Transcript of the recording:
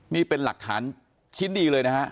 นี่เป็นหลักฐานชิ้นดีเลยนะฮะ